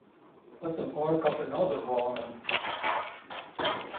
Let them bark up another wrong 'un.